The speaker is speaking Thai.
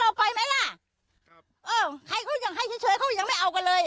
ไปไหมล่ะครับเออใครเขายังให้เฉยเขายังไม่เอากันเลย